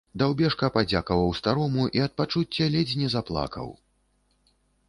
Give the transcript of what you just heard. Даўбешка падзякаваў старому і ад пачуцця ледзь не заплакаў.